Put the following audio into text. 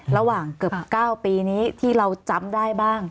ระหว่างเกือบ๙ปีนี้ที่เราจำได้บ้าง